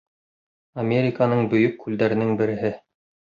Американың Бөйөк күлдәренең береһе.